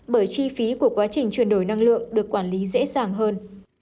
bởi chi phí của quá trình chuyển đổi năng lượng được quản lý dễ dàng hơn